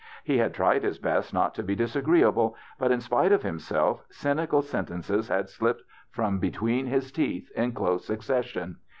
He had tried his best not to be disagreeable, but in spite of himself cynical sentences had slipped from between his teeth in close succes sion.